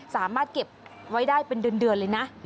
สามารถเก็บไว้ได้เป็นเดือนเลยนะ